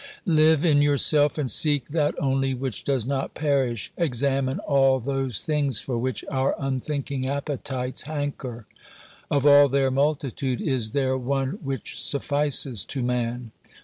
Live in yourself and seek that only which does not perish. Examine all those things for which our unthinking appetites hanker : of all their multitude is there one which suffices to man